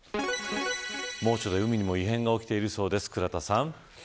猛暑で海にも異変が起きているそうです、倉田さん。